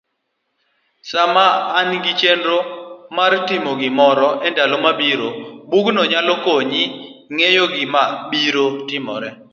sama inigi chenro martimo gimoro endalo mabiro, bugno nyalo konyi ng'eyo gikmabiro timore .